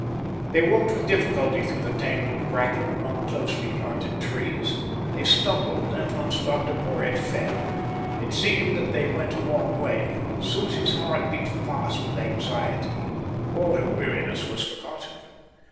They walked with difficulty through the tangled bracken, among closely planted trees. They stumbled, and once Dr Porhoët fell. It seemed that they went a long way. Susie's heart beat fast with anxiety. All her weariness was forgotten.